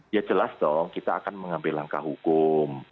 ya jelas dong kita akan mengambil langkah hukum